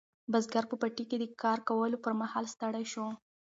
بزګر په پټي کې د کار کولو پر مهال ستړی شو.